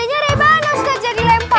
adanya rebahan ustadz jadi lempar